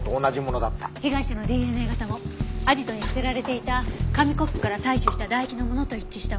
被害者のＤＮＡ型もアジトに捨てられていた紙コップから採取した唾液のものと一致したわ。